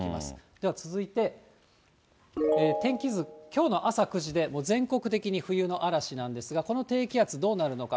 では続いて、天気図、きょうの朝９時で、全国的に冬の嵐なんですが、この低気圧、どうなるのか。